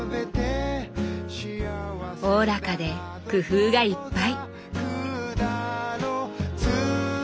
おおらかで工夫がいっぱい。